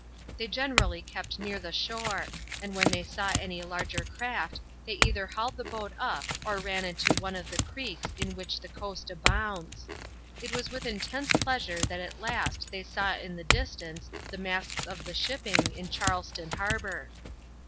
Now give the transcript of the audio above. They generally kept near the shore, and when they saw any larger craft they either hauled the boat up or ran into one of the creeks in which the coast abounds. It was with intense pleasure that at last they saw in the distance the masts of the shipping in Charleston harbor.